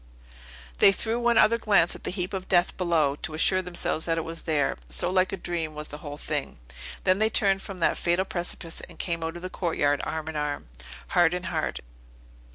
They threw one other glance at the heap of death below, to assure themselves that it was there; so like a dream was the whole thing. Then they turned from that fatal precipice, and came out of the courtyard, arm in arm, heart in heart.